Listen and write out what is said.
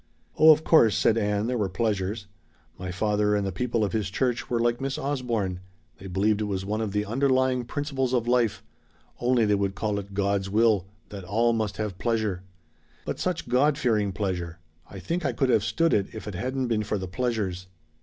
"Oh, of course," said Ann, "there were pleasures! My father and the people of his church were like Miss Osborne they believed it was one of the underlying principles of life only they would call it 'God's will' that all must have pleasure. But such God fearing pleasure! I think I could have stood it if it hadn't been for the pleasures."